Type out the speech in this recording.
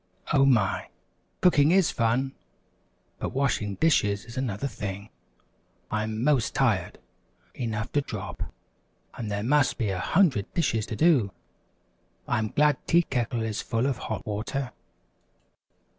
"Oh, my, cooking is fun but washing dishes is another thing. I'm 'most tired enough to drop, and there must be a hundred dishes to do! I'm glad Tea Kettle is full of hot water."